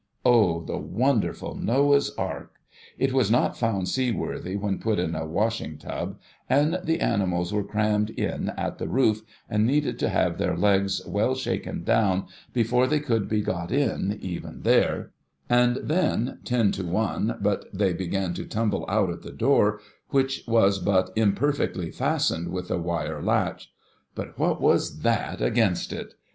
O the wonderful Noah's Ark ! It was not found seaworthy when put in a washing tub, and the animals were crammed in at the roof, and needed to have their legs well shaken down before they could be got in, even there — and then, ten to one but they began to tumble out at the door, which was but imperfectly fastened with a wire latch — but what was that against it